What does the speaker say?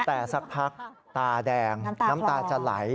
แต่สักพักตาแดงน้ำตาจะไหล